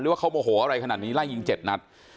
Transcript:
หรือว่าเขาโมโหอะไรขนาดนี้ไล่หยิงเจ็ดนัด